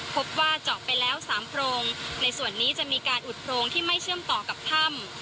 พบว่าเจาะไปแล้ว๓โพรงในส่วนนี้จะมีการอุดโพรงที่ไม่เชื่อมต่อกับถ้ำ